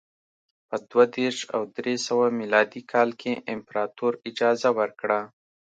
په دوه دېرش او درې سوه میلادي کال کې امپراتور اجازه ورکړه